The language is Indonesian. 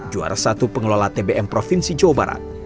juara satu pengelola tbm provinsi jawa barat